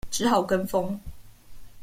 只好跟風